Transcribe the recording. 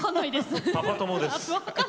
パパ友です。